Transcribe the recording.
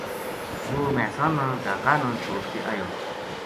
وہ مھیساں نا ڈھاکا نا چھوڈ کے ایو